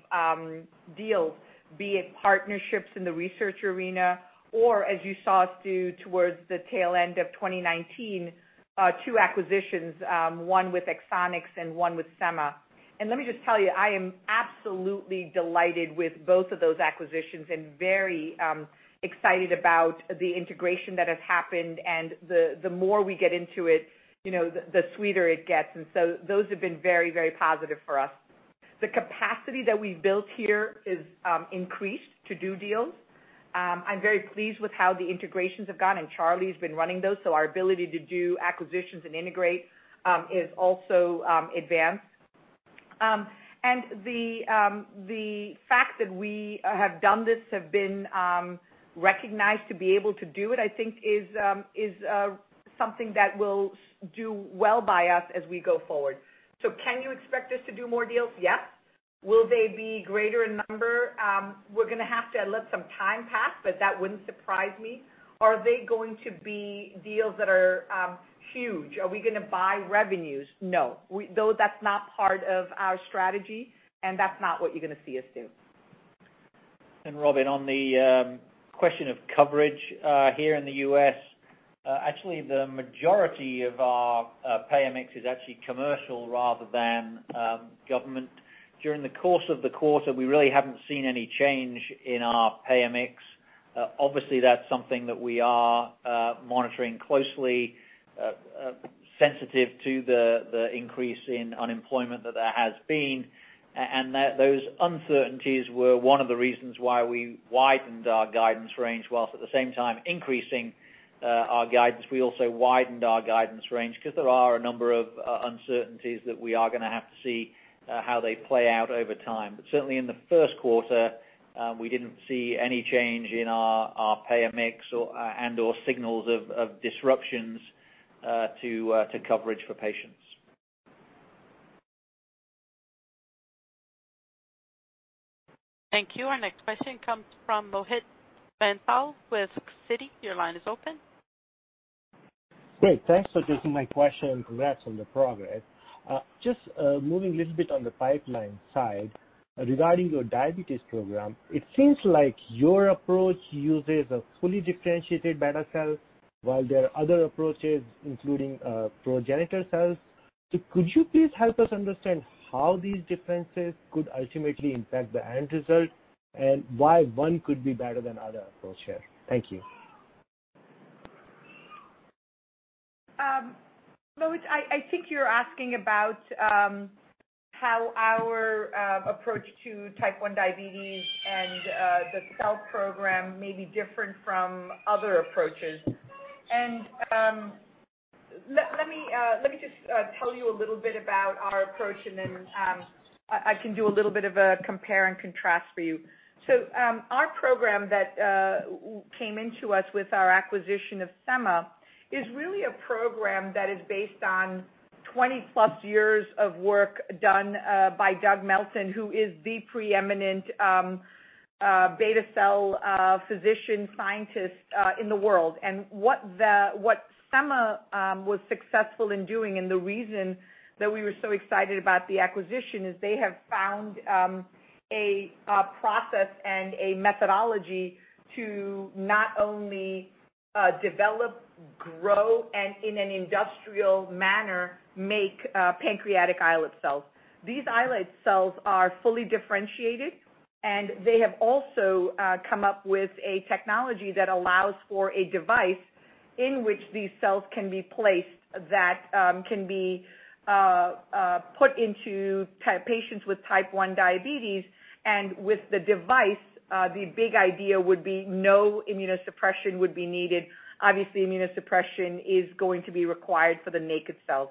deals, be it partnerships in the research arena or, as you saw us do towards the tail end of 2019, two acquisitions, one with Exonics Therapeutics and one with Semma Therapeutics. Let me just tell you, I am absolutely delighted with both of those acquisitions and very excited about the integration that has happened. The more we get into it, the sweeter it gets. Those have been very positive for us. The capacity that we've built here is increased to do deals. I'm very pleased with how the integrations have gone. Charlie's been running those. Our ability to do acquisitions and integrate is also advanced. The fact that we have done this, have been recognized to be able to do it, I think is something that will do well by us as we go forward. Can you expect us to do more deals? Yes. Will they be greater in number? We're going to have to let some time pass. That wouldn't surprise me. Are they going to be deals that are huge? Are we going to buy revenues? No. That's not part of our strategy. That's not what you're going to see us do. Robyn, on the question of coverage here in the U.S., actually, the majority of our payer mix is actually commercial rather than government. During the course of the quarter, we really haven't seen any change in our payer mix. Obviously, that's something that we are monitoring closely, sensitive to the increase in unemployment that there has been. Those uncertainties were one of the reasons why we widened our guidance range whilst at the same time increasing our guidance. We also widened our guidance range because there are a number of uncertainties that we are going to have to see how they play out over time. Certainly in the first quarter, we didn't see any change in our payer mix and/or signals of disruptions to coverage for patients. Thank you. Our next question comes from Mohit Bansal with Citi. Your line is open. Great. Thanks for taking my question. Congrats on the progress. Just moving a little bit on the pipeline side, regarding your diabetes program, it seems like your approach uses a fully differentiated beta cell, while there are other approaches, including progenitor cells. Could you please help us understand how these differences could ultimately impact the end result and why one could be better than other approach here? Thank you. Mohit, I think you're asking about how our approach to type one diabetes and the cell program may be different from other approaches. Let me just tell you a little bit about our approach, and then I can do a little bit of a compare and contrast for you. Our program that came into us with our acquisition of Semma Therapeutics is really a program that is based on 20+ years of work done by Doug Melton, who is the preeminent beta cell physician scientist in the world. What Semma Therapeutics was successful in doing and the reason that we were so excited about the acquisition is they have found a process and a methodology to not only develop grow and in an industrial manner, make pancreatic islet cells. These islet cells are fully differentiated, and they have also come up with a technology that allows for a device in which these cells can be placed that can be put into patients with type one diabetes. With the device, the big idea would be no immunosuppression would be needed. Obviously, immunosuppression is going to be required for the naked cells.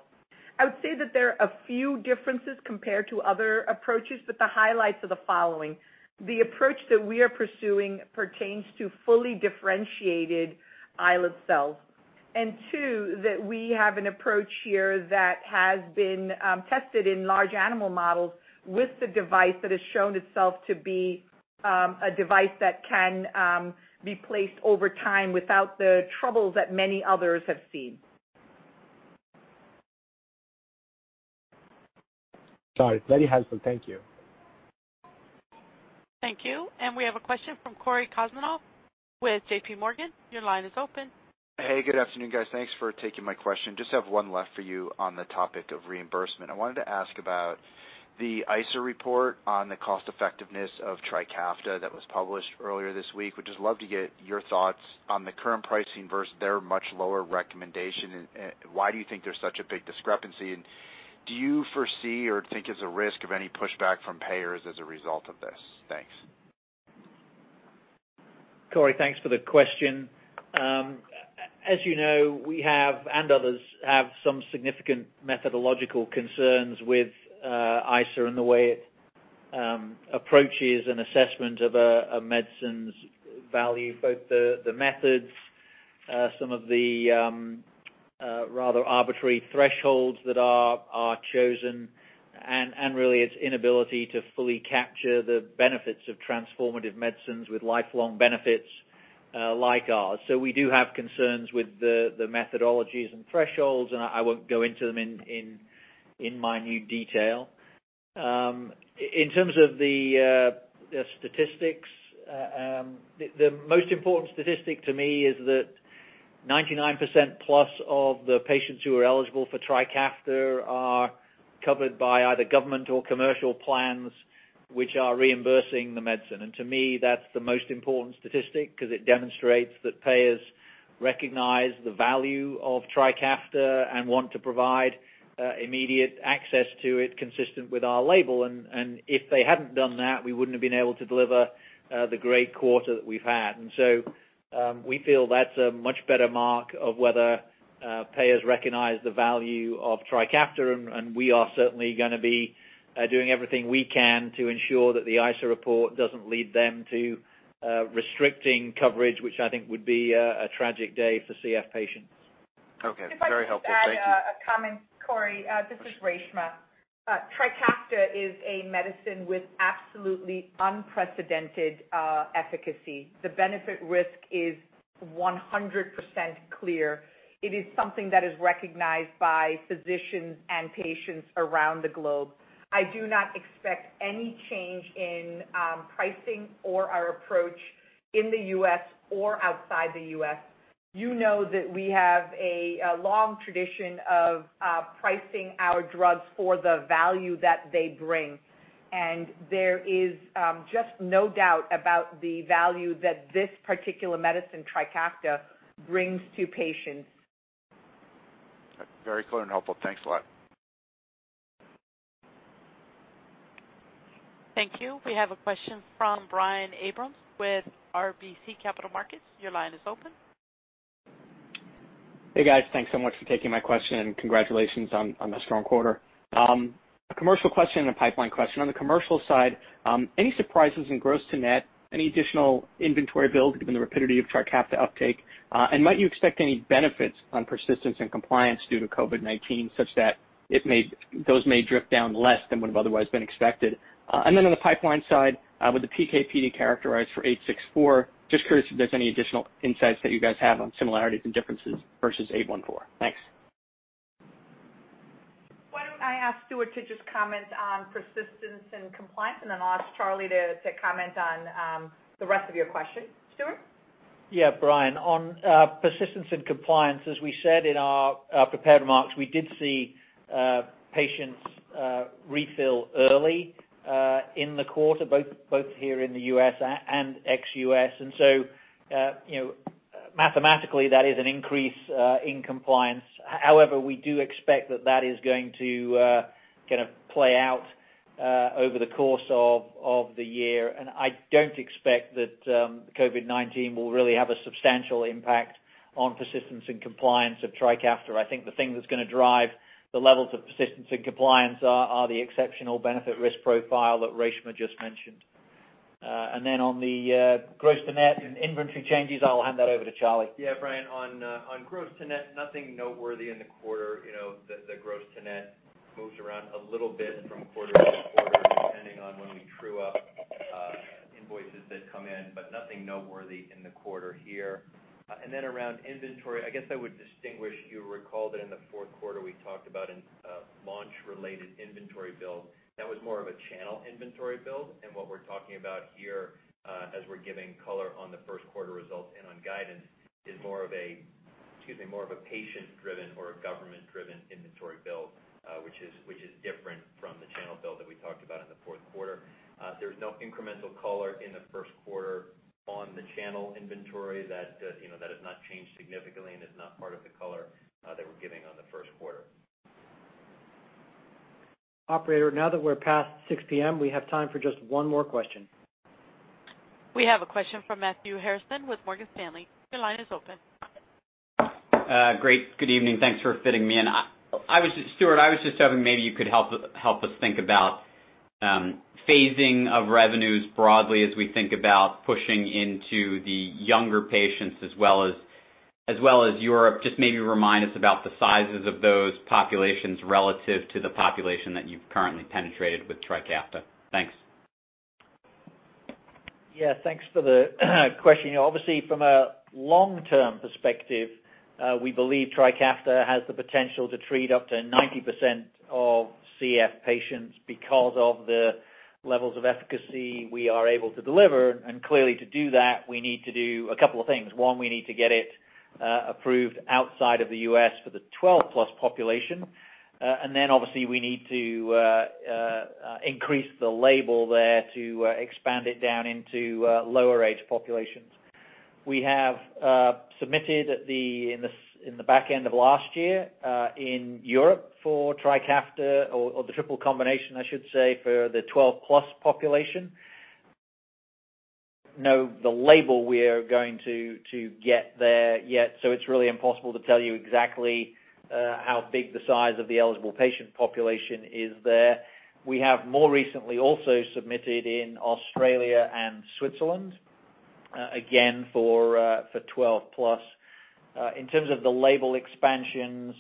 I would say that there are a few differences compared to other approaches, but the highlights are the following. The approach that we are pursuing pertains to fully differentiated islet cells, and two, that we have an approach here that has been tested in large animal models with the device that has shown itself to be a device that can be placed over time without the troubles that many others have seen. Got it. Very helpful. Thank you. Thank you. We have a question from Cory Kasimov with JPMorgan. Your line is open. Hey, good afternoon, guys. Thanks for taking my question. Just have one left for you on the topic of reimbursement. I wanted to ask about the ICER report on the cost-effectiveness of TRIKAFTA that was published earlier this week. Would just love to get your thoughts on the current pricing versus their much lower recommendation, and why do you think there's such a big discrepancy, and do you foresee or think there's a risk of any pushback from payers as a result of this? Thanks. Cory, thanks for the question. As you know, we have, and others, have some significant methodological concerns with ICER and the way it approaches an assessment of a medicine's value, both the methods, some of the rather arbitrary thresholds that are chosen, and really its inability to fully capture the benefits of transformative medicines with lifelong benefits like ours. We do have concerns with the methodologies and thresholds, and I won't go into them in minute detail. In terms of the statistics, the most important statistic to me is that +99% of the patients who are eligible for TRIKAFTA are covered by either government or commercial plans, which are reimbursing the medicine. To me, that's the most important statistic because it demonstrates that payers recognize the value of TRIKAFTA and want to provide immediate access to it consistent with our label. If they hadn't done that, we wouldn't have been able to deliver the great quarter that we've had. We feel that's a much better mark of whether payers recognize the value of TRIKAFTA, and we are certainly going to be doing everything we can to ensure that the ICER report doesn't lead them to restricting coverage, which I think would be a tragic day for CF patients. Okay. Very helpful. Thank you. If I could just add a comment, Cory. This is Reshma. TRIKAFTA is a medicine with absolutely unprecedented efficacy. The benefit-risk is 100% clear. It is something that is recognized by physicians and patients around the globe. I do not expect any change in pricing or our approach in the U.S. or outside the U.S. You know that we have a long tradition of pricing our drugs for the value that they bring, and there is just no doubt about the value that this particular medicine, TRIKAFTA, brings to patients. Very clear and helpful. Thanks a lot. Thank you. We have a question from Brian Abrahams with RBC Capital Markets. Your line is open. Hey, guys. Thanks so much for taking my question, congratulations on the strong quarter. A commercial question and a pipeline question. On the commercial side, any surprises in gross to net, any additional inventory build given the rapidity of TRIKAFTA uptake? Might you expect any benefits on persistence and compliance due to COVID-19 such that those may drift down less than would've otherwise been expected? On the pipeline side, with the PK/PD characterized for eight six four, just curious if there's any additional insights that you guys have on similarities and differences versus eight one four. Thanks. Why don't I ask Stuart to just comment on persistence and compliance, and then I'll ask Charlie to comment on the rest of your question. Stuart? Yeah, Brian. On persistence and compliance, as we said in our prepared remarks, we did see patients refill early in the quarter, both here in the U.S. and ex-U.S. Mathematically, that is an increase in compliance. However, we do expect that that is going to play out over the course of the year. I don't expect that COVID-19 will really have a substantial impact on persistence and compliance of TRIKAFTA. I think the thing that's going to drive the levels of persistence and compliance are the exceptional benefit risk profile that Reshma just mentioned. On the gross to net and inventory changes, I'll hand that over to Charlie. Yeah, Brian, on gross to net, nothing noteworthy in the quarter. The gross to net moves around a little bit from quarter to quarter depending on when we true up invoices that come in, but nothing noteworthy in the quarter here. Then around inventory, I guess I would distinguish, you recall that in the fourth quarter, we talked about a launch-related inventory build. That was more of a channel inventory build. What we're talking about here, as we're giving color on the first quarter results and on guidance, is more of a- Excuse me, more of a patient-driven or a government-driven inventory build, which is different from the channel build that we talked about in the fourth quarter. There is no incremental color in the first quarter on the channel inventory. That has not changed significantly and is not part of the color that we're giving on the first quarter. Operator, now that we're past 6:00 P.M., we have time for just one more question. We have a question from Matthew Harrison with Morgan Stanley. Your line is open. Great. Good evening. Thanks for fitting me in. Stuart, I was just hoping maybe you could help us think about phasing of revenues broadly as we think about pushing into the younger patients as well as Europe. Just maybe remind us about the sizes of those populations relative to the population that you've currently penetrated with TRIKAFTA. Thanks. Yeah, thanks for the question. Obviously, from a long-term perspective, we believe TRIKAFTA has the potential to treat up to 90% of CF patients because of the levels of efficacy we are able to deliver. Clearly, to do that, we need to do a couple of things. One, we need to get it approved outside of the U.S. for the 12+ population. Obviously, we need to increase the label there to expand it down into lower age populations. We have submitted in the back end of last year in Europe for TRIKAFTA, or the triple combination, I should say, for the 12+ population. We don't know the label we are going to get there yet, it's really impossible to tell you exactly how big the size of the eligible patient population is there. We have more recently also submitted in Australia and Switzerland, again, for 12+. In terms of the label expansions,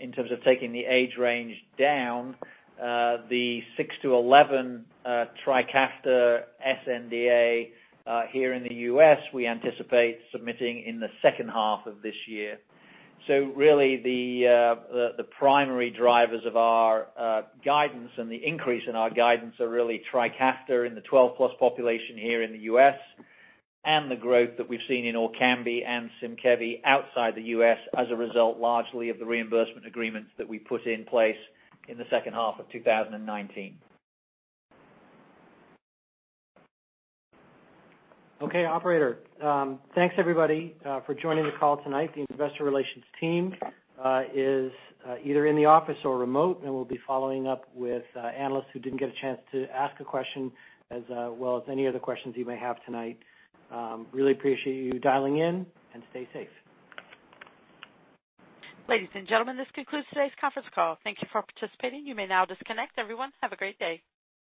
in terms of taking the age range down, the 6-11 TRIKAFTA sNDA here in the U.S., we anticipate submitting in the second half of this year. Really the primary drivers of our guidance and the increase in our guidance are really TRIKAFTA in the 12+ population here in the U.S. and the growth that we've seen in ORKAMBI and SYMKEVI outside the U.S. as a result largely of the reimbursement agreements that we put in place in the second half of 2019. Okay, operator. Thanks everybody for joining the call tonight. The investor relations team is either in the office or remote, and we'll be following up with analysts who didn't get a chance to ask a question, as well as any other questions you may have tonight. Really appreciate you dialing in and stay safe. Ladies and gentlemen, this concludes today's conference call. Thank you for participating. You may now disconnect. Everyone, have a great day.